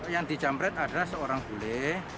yang dijamret adalah seorang bule